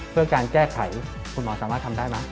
เพื่อการแก้ไขคุณหมอสามารถทำได้ไหม